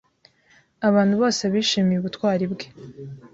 Abantu bose bishimiye ubutwari bwe.